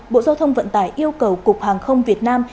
bộ giao thông vận tải yêu cầu cục hàng không việt nam